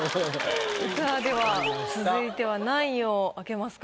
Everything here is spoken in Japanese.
さぁでは続いては何位を開けますか？